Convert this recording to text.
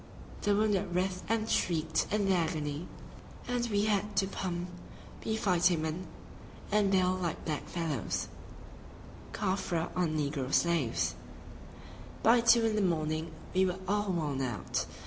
The wounded writhed and shrieked in their agony, and we had to pump, we fighting men, and bale like black fellows [Caffre or negro slaves]! By two in the morning we were all worn out.